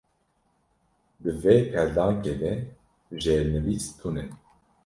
Di vê peldankê de jêrnivîs tune.